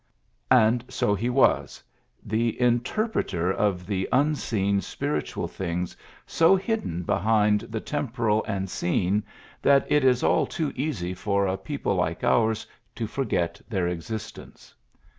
'' And so he was, the interpreter of the unseen, spiritual things so hidden behind the temporal and 114 PHILLIPS BEOOKS seen that it is all too easy for a people like ours to forget their existence.